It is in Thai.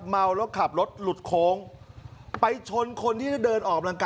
เมาแล้วขับรถหลุดโค้งไปชนคนที่เดินออกกำลังกาย